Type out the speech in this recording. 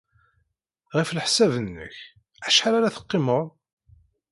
Ɣef leḥsab-nnek, acḥal ara teqqimeḍ?